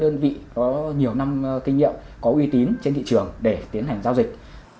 chúng ta nên lựa chọn các đơn vị có nhiều năm kinh nghiệm có uy tín trên thị trường để tiến hành giao dịch